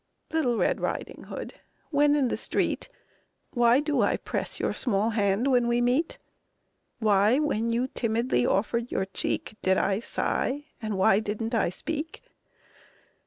Little Red Riding Hood, when in the street, Why do I press your small hand when we meet? Why, when you timidly offered your cheek, Why did I sigh, and why didn't I speak?